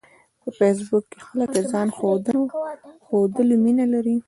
په فېسبوک کې خلک د ځان ښودلو مینه لري